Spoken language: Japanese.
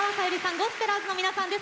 ゴスペラーズの皆さんです。